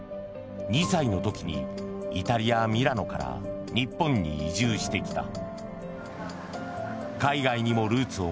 ２歳の時にイタリア・ミラノから日本に移住してきた。